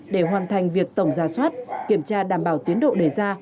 để hoàn thành việc tổng ra sót kiểm tra đảm bảo tiến độ đề ra